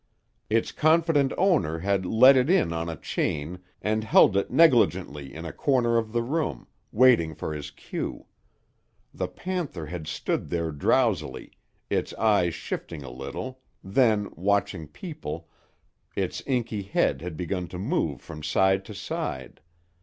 Its confident owner had led it in on a chain and held it negligently in a corner of the room, waiting for his cue. The panther had stood there drowsily, its eyes shifting a little, then, watching people, its inky head had begun to move from side to side.